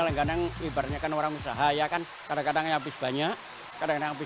kadang kadang ibaratnya kan orang usaha ya kan kadang kadang habis banyak kadang habis